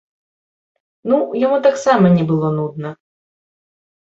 Ну, яму таксама не было нудна.